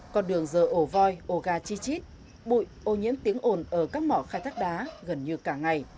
con đường giờ ổ voi ổ gà chi chít bụi ô nhiễm tiếng ồn ở các mỏ khai thác đá gần như cả ngày